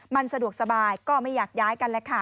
มันสะดวกสบายก็ไม่อยากย้ายกันแหละค่ะ